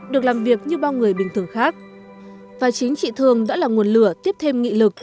được làm việc như bao người bình thường khác và chính chị thương đã là nguồn lửa tiếp thêm nghị lực